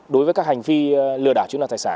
đối với các hành vi lừa đảo